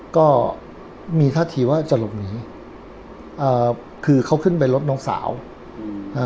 ก็มีท่าทีว่าจะหลบหนีเอ่อคือเขาขึ้นไปรถน้องสาวอืมอ่า